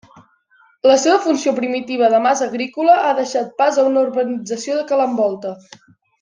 La seva funció primitiva de mas agrícola ha deixat pas a una urbanització que l'envolta.